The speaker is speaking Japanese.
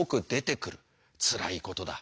つらいことだ。